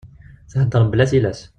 Thedder mebla tilas.